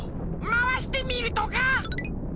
まわしてみるとか？